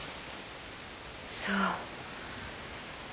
そう。